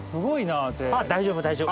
あぁ大丈夫大丈夫。